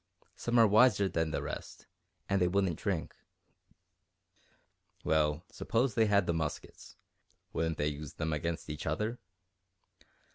Some are wiser than the rest and they wouldn't drink." "Well, suppose they had the muskets wouldn't they use them against each other?"